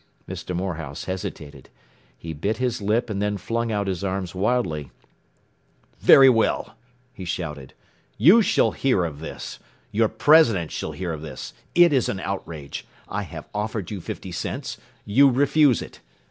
” Mr. Morehouse hesitated. He bit his lip and then flung out his arms wildly. “Very well!” he shouted, “you shall hear of this! Your president shall hear of this! It is an outrage! I have offered you fifty cents. You refuse it!